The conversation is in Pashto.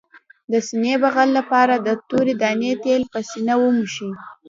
د سینې بغل لپاره د تورې دانې تېل په سینه ومښئ